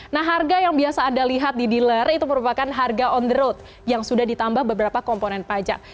nah harga yang biasa anda lihat di dealer itu merupakan harga on the road yang sudah ditambah beberapa komponen pajak